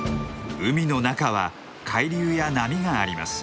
海の中は海流や波があります。